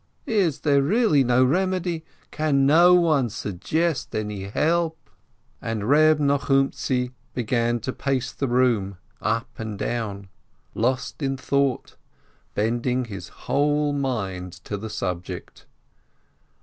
Is there really no remedy ? Can no one suggest any help ?" And Reb Nochumtzi began to pace the room up and down, lost in thought, bending his whole mind to the subject.